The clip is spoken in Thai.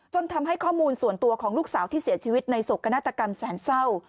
ทำให้ข้อมูลส่วนตัวของลูกสาวที่เสียชีวิตในโศกนาฏกรรมแสนเศร้า